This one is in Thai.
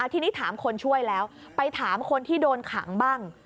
ทีนี้ถามคนช่วยแล้วไปถามคนที่โดนขังบ้าง